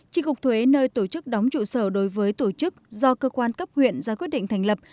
tri cục thuế nơi tổ chức đóng trụ sở đối với tổ chức do cơ quan cấp huyện ra quyết định thành lập